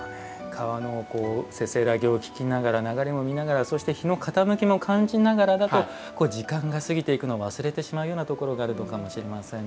川のせせらぎを聞きながら流れも見ながらそして日の傾きも感じながらだと時間が過ぎていくのを忘れてしまうようなところがあるのかもしれませんね。